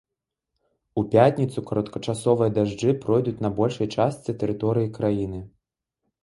У пятніцу кароткачасовыя дажджы пройдуць на большай частцы тэрыторыі краіны.